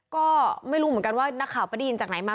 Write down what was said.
ก็ไม่รู้เหมือนกันว่านักข่าวไปได้ยินจากไหนมา